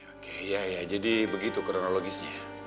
oke iya iya jadi begitu kronologisnya